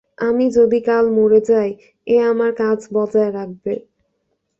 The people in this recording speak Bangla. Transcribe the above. আমি যদি কাল মরে যাই, এ আমার কাজ বজায় রাখবে।